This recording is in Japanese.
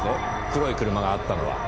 黒い車があったのは。